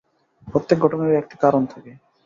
প্রত্যেক ঘটনারই একটা কারণ থাকে।